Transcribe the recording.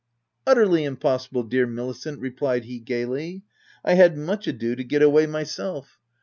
" Utterly impossible, dear Milicent/' replied he, gaily. " I had much ado to get away my 224 THE TENANT self.